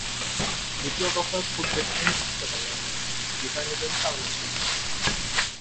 দ্বিতীয় দফায়ও খুব বেশি দিন টিকতে পারলেন না, বিদায় নিলেন চার মাসেই।